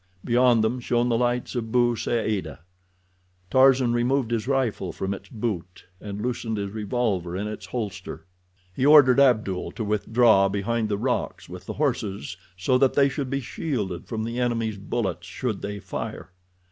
Beyond them shone the lights of Bou Saada. Tarzan removed his rifle from its boot and loosened his revolver in its holster. He ordered Abdul to withdraw behind the rocks with the horses, so that they should be shielded from the enemies' bullets should they fire.